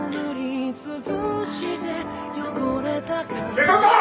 ・警察だ！